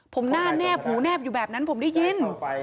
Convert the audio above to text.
ผมหน้าแนบหูแนบอยู่แบบนั้นผมได้ยิน